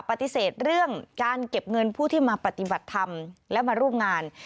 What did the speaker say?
ปฏิเสธเรื่องการเก็บเงินผู้ที่มาปฏิบัติธรรมและมาร่วมงาน